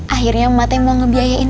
akhirnya mati mau ngebiayain